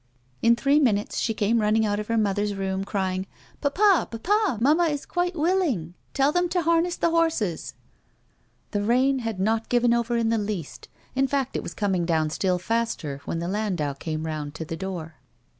In three minutes she came running out of her mother's room crying :" Papa ! papa ! Mamma is quite willing. Tell them to harness the hoi'ses." The rain had not given over in the least, in fact, it was coming down still faster when the landau came round to the door.